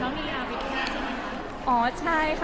เขามีรายวิทยาใช่ไหมคะ